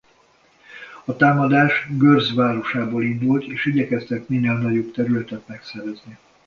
A támadás Görz városából indult és igyekeztek minél nagyobb területet megszerezni.